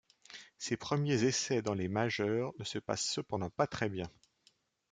Ses premiers essais dans les majeures ne se passent cependant pas très bien.